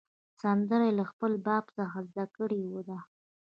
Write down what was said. سندره یې له خپل بابا څخه زده کړې ده.